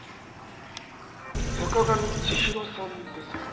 坂上千尋さんですか？